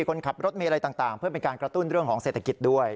คนขับรถมีอะไรต่างเพื่อเป็นการกระตุ้นเรื่องของเศรษฐกิจด้วย